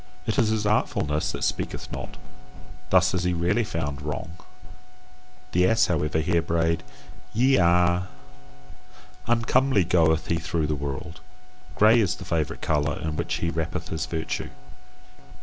It is his artfulness that speaketh not: thus is he rarely found wrong. The ass, however, here brayed YE A. Uncomely goeth he through the world. Grey is the favourite colour in which he wrappeth his virtue.